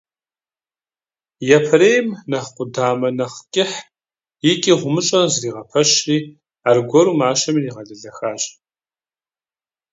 Япэрейм нэхъ къудамэ нэхъ кӀыхь икӀи гъумыщӀэ зригъэпэщри, аргуэру мащэм иригъэлэлэхащ.